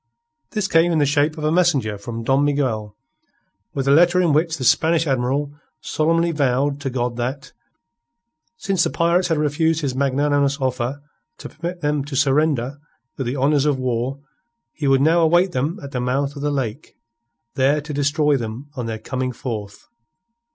This came in the shape of a messenger from Don Miguel with a letter in which the Spanish Admiral solemnly vowed to God that, since the pirates had refused his magnanimous offer to permit them to surrender with the honours of war, he would now await them at the mouth of the lake there to destroy them on their coming forth.